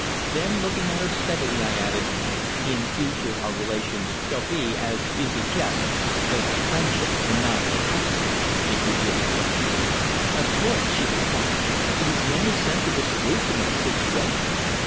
Then, looking at her steadily, I added: "In future our relations shall be, as you suggest, those of friendship, and not of affection if you really wish." "Of course," she replied. "It is the only sensible solution of the situation.